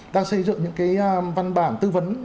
đang xây dựng những cái văn bản tư vấn